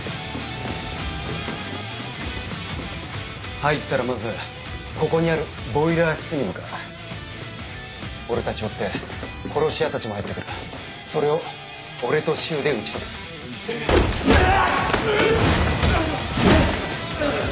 入ったらまずここにあるボイラー室に向かう俺たちを追って殺し屋たちも入って来るそれを俺と柊で打ちのめすうわ！